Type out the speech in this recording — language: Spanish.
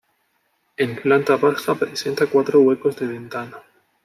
En planta baja presenta cuatro huecos de ventana.